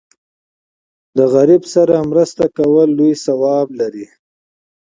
له غریب سره مرسته کول لوی ثواب لري.